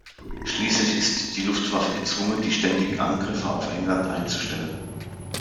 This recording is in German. Schließlich ist die Luftwaffe gezwungen, die ständigen Angriffe auf England einzustellen.